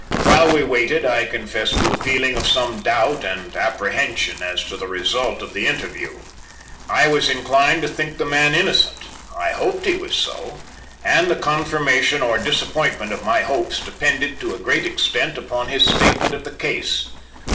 While we waited, I confess to a feeling of some doubt and apprehension as to the result of the interview. I was inclined to think the man innocent, I hoped he was so, and the confirmation or disappointment of my hopes depended to a great extent upon his own statement of the case.